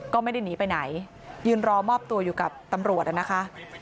ก็ไม่ได้หนีไปไหนยืนรอมอบตัวอยู่กับตำรวจนะคะ